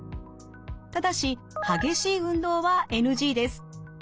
ただし激しい運動はＮＧです。